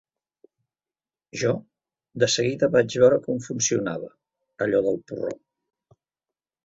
Jo, de seguida vaig veure com funcionava, allò del porró